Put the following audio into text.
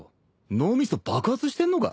脳みそ爆発してんのか？